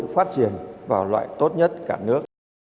phát triển vào loại tốt nhất cả nước